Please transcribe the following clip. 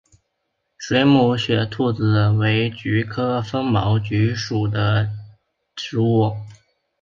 水母雪兔子为菊科风毛菊属的植物。